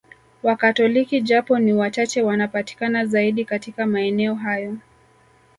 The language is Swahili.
Wakatoliki japo ni wachache wanapatikana zaidi katika maeneo hayo